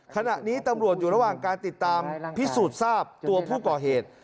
ขณะนี้ตำรวจอยู่ระหว่างการติดตามพิสูจน์ทราบตัวผู้ก่อเหตุ